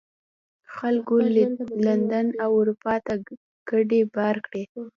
خلکو لندن او اروپا ته کډې بار کړې.